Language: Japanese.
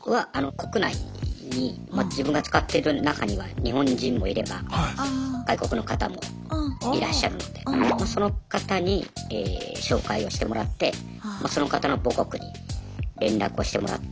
国内に自分が使ってる中には日本人もいれば外国の方もいらっしゃるのでその方に紹介をしてもらってその方の母国に連絡をしてもらって。